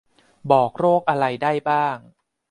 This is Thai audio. บอกโรคอะไรได้บ้าง